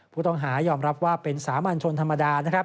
ผู้ต้องหายอ่อมรับว่าเป็นสามัญชนธรรมดา